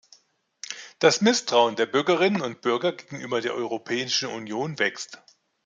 Das Misstrauen der Bürgerinnen und Bürger gegenüber der Europäischen Union wächst.